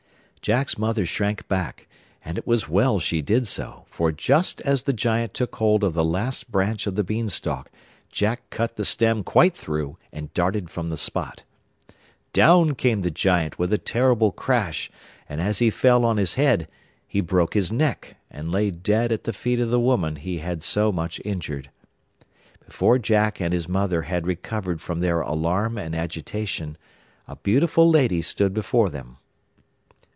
Jack's mother shrank back, and it was well she did so, for just as the Giant took hold of the last branch of the Beanstalk, Jack cut the stem quite through and darted from the spot. Down came the Giant with a terrible crash, and as he fell on his head, he broke his neck, and lay dead at the feet of the woman he had so much injured. Before Jack and his mother had recovered from their alarm and agitation, a beautiful lady stood before them.